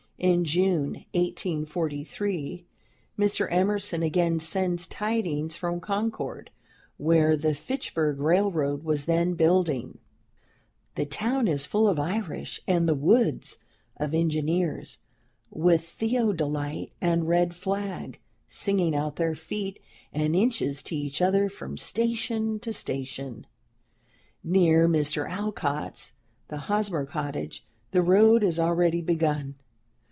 In June, 1843, Mr. Emerson again sends tidings from Concord, where the Fitchburg railroad was then building: "The town is full of Irish, and the woods of engineers, with theodolite and red flag, singing out their feet and inches to each other from station to station. Near Mr. Alcott's (the Hosmer cottage) the road is already begun.